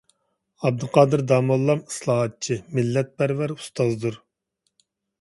ئابدۇقادىر داموللام ئىسلاھاتچى، مىللەتپەرۋەر ئۇستازدۇر.